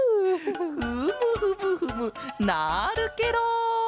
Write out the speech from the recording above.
フムフムフムなるケロ！